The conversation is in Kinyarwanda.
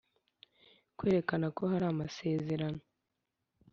Kwerekana ko hari amasezerano